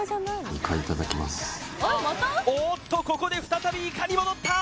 おおっとここで再びいかに戻った！